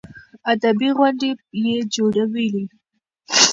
ادبي غونډې يې جوړولې.